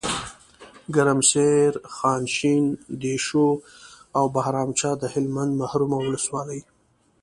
ګرمسیر، خانشین، دیشو او بهرامچه دهلمند محرومه ولسوالۍ